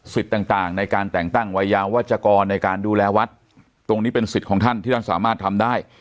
ต่างในการแต่งตั้งวัยยาวัชกรในการดูแลวัดตรงนี้เป็นสิทธิ์ของท่านที่ท่านสามารถทำได้